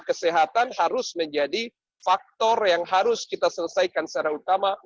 kesehatan harus menjadi faktor yang harus kita selesaikan secara utama